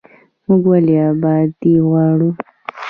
موږ ولې ابادي غواړو؟